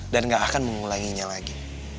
dan gak akan mengulanginya lagi